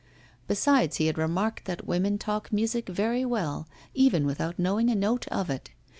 Besides, he had remarked that women talk music very well, even without knowing a note of it.